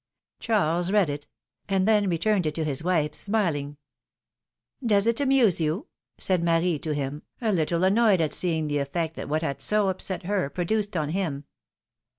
Charles read it; and then returned it to his wife, smiling. ^^Does it amuse you?^^ said Marie to him, a little annoyed at seeing the effect that what had so upset her produced on him.